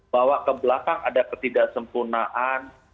bahwa kebelakang ada ketidaksempurnaan